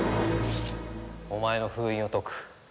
お前の封印を解く。